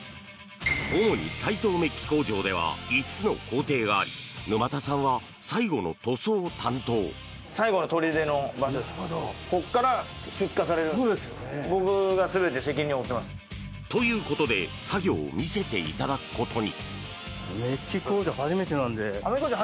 主に斎藤鍍金工場では５つの工程があり沼田さんは、最後の塗装を担当。ということで作業を見せていただくことに。